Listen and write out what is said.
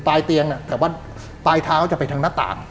เตียงแต่ว่าปลายเท้าจะไปทางหน้าต่าง